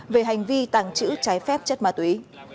về hành vi tàng trữ trái phép chất ma túy